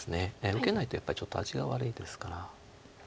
受けないとやっぱりちょっと味が悪いですから。